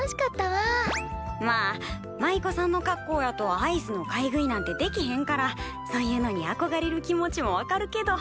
まあ舞妓さんの格好やとアイスの買い食いなんてできへんからそういうのにあこがれる気持ちも分かるけど。